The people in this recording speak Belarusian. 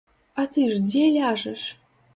А ты ж дзе ляжаш?